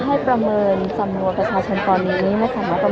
มันเป็นสิ่งที่จะให้ทุกคนรู้สึกว่ามันเป็นสิ่งที่จะให้ทุกคนรู้สึกว่า